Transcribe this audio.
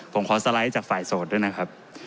ผมขอสไลด์จากฝ่ายโสดด้วยนะครับ